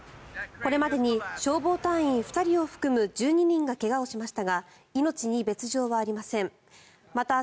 これまでに消防隊員２人を含む１２人が無事到着しました！